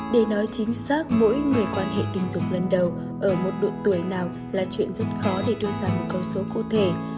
để nói chính xác mỗi người quan hệ tình dục lần đầu ở một độ tuổi nào là chuyện rất khó để đưa ra một con số cụ thể